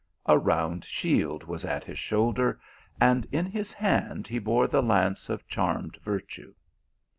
A round shield was at his shoulder, and in his hand he bore the lance of charmed virtue.